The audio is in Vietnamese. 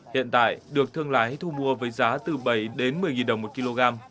hiện tại được thương lái thu mua với giá từ bảy đến một mươi đồng một kg